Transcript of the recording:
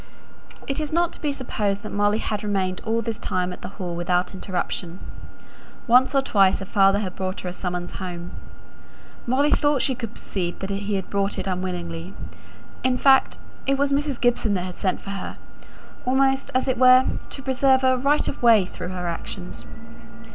It is not to be supposed that Molly had remained all this time at the Hall without interruption. Once or twice her father had brought her a summons home. Molly thought she could perceive that he had brought it unwillingly; in fact, it was Mrs. Gibson that had sent for her, almost, as it were, to preserve a "right of way" through her actions.